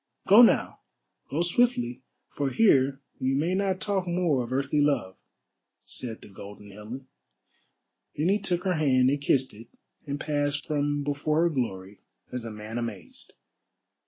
Go now! Go swiftly, for here we may not talk more of earthly love," said the Golden Helen. Then he took her hand and kissed it and passed from before her glory as a man amazed.